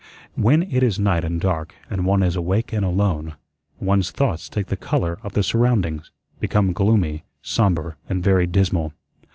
When it is night and dark, and one is awake and alone, one's thoughts take the color of the surroundings; become gloomy, sombre, and very dismal.